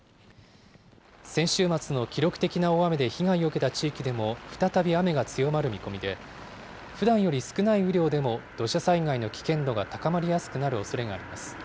先週末の記録的な大雨で被害を受けた地域でも、再び雨が強まる見込みで、ふだんより少ない雨量でも土砂災害の危険度が高まりやすくなるおそれがあります。